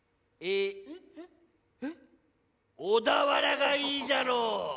小田原がいいじゃろう。